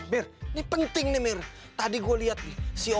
mir ini penting nih mir tadi gue liat nih si opi lagi ngobrol sama si dokter